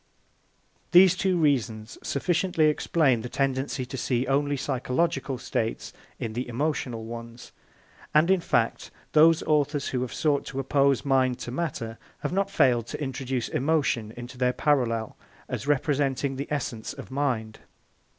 These two reasons sufficiently explain the tendency to see only psychological states in the emotional ones; and, in fact, those authors who have sought to oppose mind to matter have not failed to introduce emotion into their parallel as representing the essence of mind.